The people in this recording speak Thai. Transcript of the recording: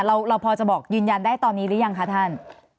เราพอจะบอกยืนยันได้ตอนนี้หรือยังคะท่าน